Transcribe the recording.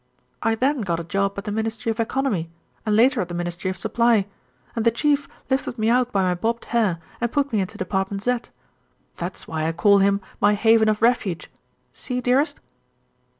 "I then got a job at the Ministry of Economy and later at the Ministry of Supply, and the Chief lifted me out by my bobbed hair and put me into Department Z. That's why I call him my haven of refuge. See, dearest?"